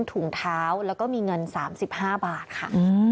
ถุงเท้าแล้วก็มีเงิน๓๕บาทค่ะ